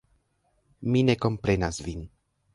Mi ne komprenas vin.